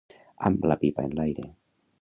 Amb la pipa enlaire.